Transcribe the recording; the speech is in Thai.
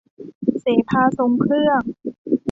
เสภาทรงเครื่อง